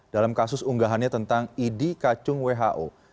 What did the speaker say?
dalam kasus unggahannya tentang idi kacung who